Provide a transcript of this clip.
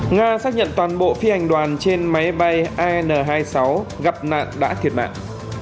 nga xác nhận toàn bộ phi hành đoàn trên máy bay an hai mươi sáu gặp nạn đã thiệt mạng